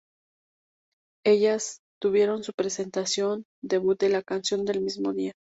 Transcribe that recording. Ellas tuvieron su presentación debut de la canción el mismo día.